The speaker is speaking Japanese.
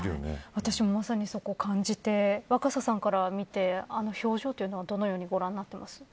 私も、まさにそこを感じて若狭さんから見て、あの表情はどうご覧になっていますか。